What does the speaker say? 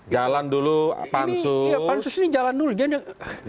jalan dulu pansus